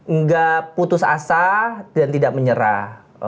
nggak putus asa dan tidak menyerah